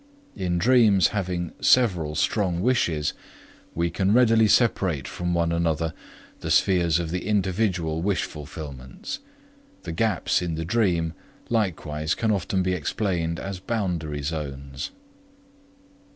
In dreams having several strong wishes we can readily separate from one another the spheres of the individual wish fulfillments; the gaps in the dream likewise can often be explained as boundary zones.